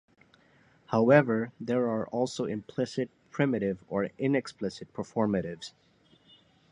However, there are also "implicit", "primitive", or "inexplicit" performatives.